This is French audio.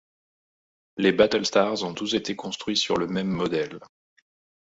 Les Battlestars ont tous été construits sur le même modèle.